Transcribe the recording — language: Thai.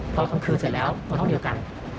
พอคลั่งคืนเสร็จแล้วเราต้องเดียวกัน